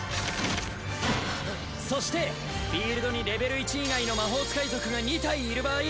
そしてフィールドにレベル１以外の魔法使い族が２体いる場合